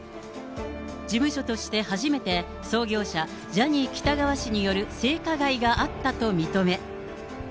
事務所として初めて、創業者、ジャニー喜多川氏による性加害があったと認め。